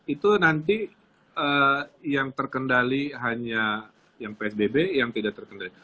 itu nanti yang terkendali hanya yang psbb yang tidak terkendali